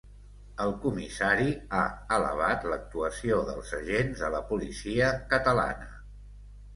El comissari ha alabat l'actuació dels agents de la policia catalana